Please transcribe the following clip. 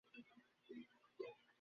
মাঝে মাঝে অজ্ঞান হয়ে যায়।